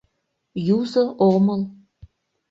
Юзо омыл.